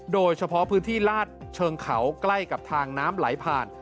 โดยเฉพาะพื้นที่ลาดเชิงเขาใกล้กับทางน้ำไหลผ่าน